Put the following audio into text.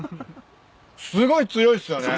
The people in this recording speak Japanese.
すごい強いっすよね。